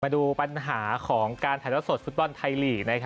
มาดูปัญหาของการถ่ายละสดฟุตบอลไทยลีก